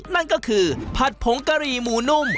นั่นก็คือผัดผงกะหรี่หมูนุ่ม